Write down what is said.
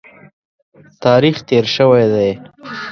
تاریخ تېر شوی دی.